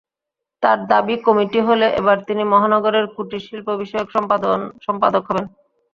তাঁর দাবি, কমিটি হলে এবার তিনি মহানগরের কুটির শিল্পবিষয়ক সম্পাদক হবেন।